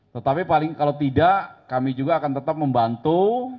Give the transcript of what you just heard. tetapi paling kalau tidak kami juga akan tetap membantu